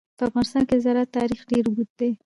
په افغانستان کې د زراعت تاریخ ډېر اوږد دی.